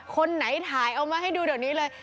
คนไหนถ่ายเอามาให้ดูเดี๋ยวนี้เลย